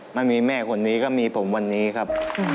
ไม่มีแม่คนนี้ก็มีผมวันนี้ครับ